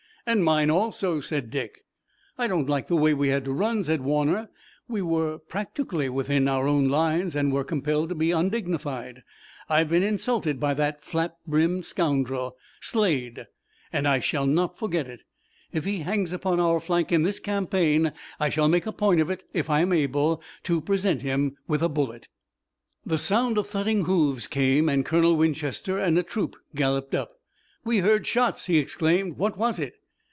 "And mine also!" said Dick. "I don't like the way we had to run," said Warner. "We were practically within our own lines and we were compelled to be undignified. I've been insulted by that flap brimmed scoundrel, Slade, and I shall not forget it. If he hangs upon our flank in this campaign I shall make a point of it, if I am able, to present him with a bullet." The sound of thudding hoofs came, and Colonel Winchester and a troop galloped up. "We heard shots!" he exclaimed. "What was it?"